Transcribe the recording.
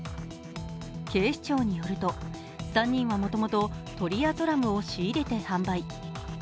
警視庁によると、３人はもともとトリアゾラムを仕入れて販売。